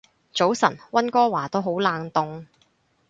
早晨，溫哥華都好冷凍